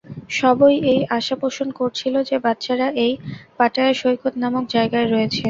সবাই এই আশা পোষণ করছিল যে বাচ্চারা এই পাটায়া সৈকত নামক জায়গায় রয়েছে।